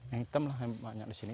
yang hitam lah yang banyak di sini